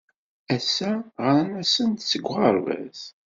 Ass-a ɣran-asen-d seg uɣerbaz.